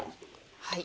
はい。